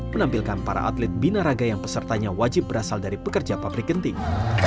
menampilkan para atlet binaraga yang pesertanya wajib berasal dari pekerja pabrik kenting